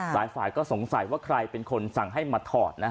หลายฝ่ายก็สงสัยว่าใครเป็นคนสั่งให้มาถอดนะ